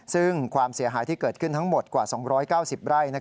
ซึ่งความเสียหายที่เกิดขึ้นทั้งหมดกว่า๒๙๐ไร่